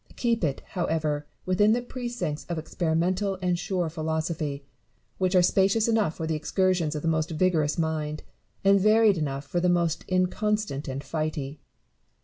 Keep it, however, within the precincts of experimental and sure philosophy, which are spacious enough for the excursions of the most vigorous mind, and varied enough for the most inconstant and flighty.